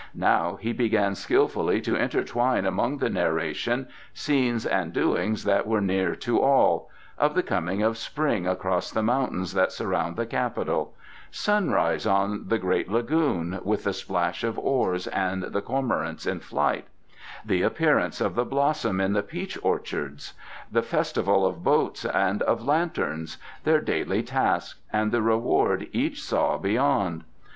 Now he began skilfully to intertwine among the narration scenes and doings that were near to all of the coming of Spring across the mountains that surround the capital; sunrise on the great lagoon, with the splash of oars and the cormorants in flight; the appearance of the blossom in the peach orchards; the Festival of Boats and of Lanterns, their daily task, and the reward each saw beyond.